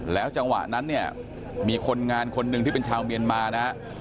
จังหวะนั้นเนี่ยมีคนงานคนหนึ่งที่เป็นชาวเมียนมานะฮะ